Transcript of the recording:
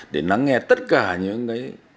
để nắng nghe tất cả những